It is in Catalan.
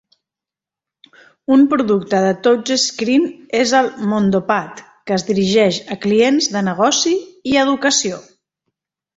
Un producte de touchscreen és el Mondopad que es dirigeix a clients de negoci i educació.